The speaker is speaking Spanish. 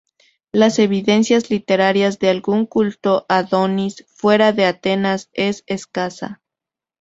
Las evidencias literarias de algún culto a Adonis fuera de Atenas es escasa.